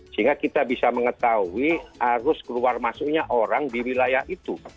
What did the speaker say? sehingga kita bisa mengetahui arus keluar masuknya orang di wilayah itu